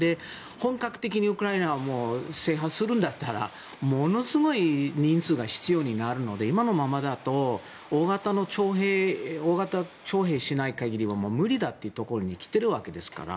本格的にウクライナを征服するんだったらものすごい人数が必要になるので今のままだと大型徴兵、しない限りは無理だというところに来ているわけですから。